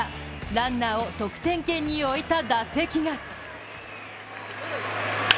ランナーを得点圏に置いた打席が。